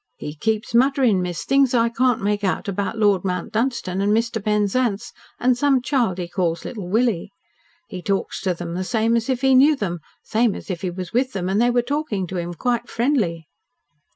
"He keeps muttering, miss, things I can't make out about Lord Mount Dunstan, and Mr. Penzance, and some child he calls Little Willie. He talks to them the same as if he knew them same as if he was with them and they were talking to him quite friendly."